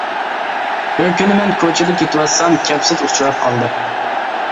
بىر كۈنى مەن كوچىدا كېتىۋاتسام كەپسىز ئۇچراپ قالدى.